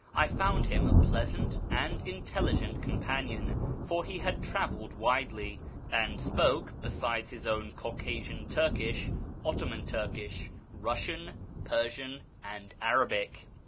I found him a pleasant and intelligent companion, for he had travelled widely, and spoke, besides his own Caucasian Turkish, Ottoman Turkish, Russian, Persian, and Arabic.